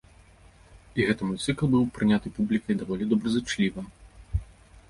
І гэты мой цыкл быў прыняты публікай даволі добразычліва.